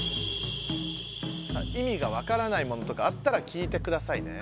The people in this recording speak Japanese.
いみがわからないものとかあったら聞いてくださいね。